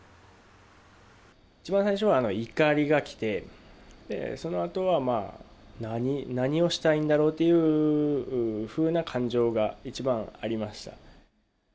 一番最初は、怒りがきて、そのあとは何をしたいんだろうっていうふうな感情が一番ありまし